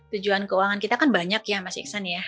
tujuan keuangan kita kan banyak ya mas iksan ya